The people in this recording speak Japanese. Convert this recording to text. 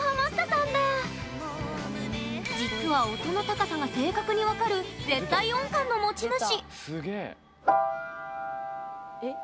実は音の高さが正確に分かる「絶対音感」の持ち主。